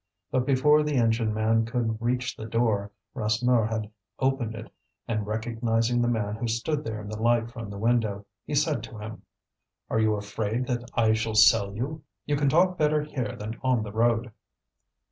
But before the engine man could reach the door, Rasseneur had opened it, and, recognizing the man who stood there in the light from the window, he said to him: "Are you afraid that I shall sell you? You can talk better here than on the road."